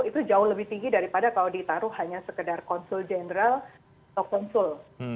itu jauh lebih tinggi daripada kalau ditaruh hanya sekedar konsul jenderal atau konsul